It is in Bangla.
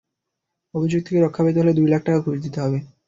অভিযোগ থেকে রক্ষা পেতে হলে দুই লাখ টাকা ঘুষ দিতে হবে।